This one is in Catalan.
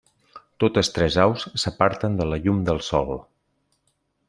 Totes tres aus s'aparten de la llum del sol.